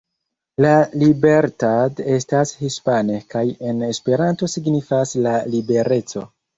La Libertad estas hispane kaj en Esperanto signifas "La libereco".